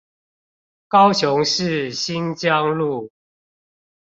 高雄市新疆路